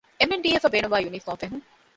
އެމް.އެން.ޑީ.އެފްއަށް ބޭނުންވާ ޔުނީފޯމު ފެހުން